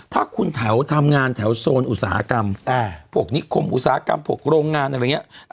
ถ้าคุณแถวทำงานแถวโซนอุตสาหกรรมพวกนิคมอุตสาหกรรมพวกโรงงานอะไรอย่างนี้